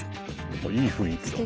いい雰囲気だね。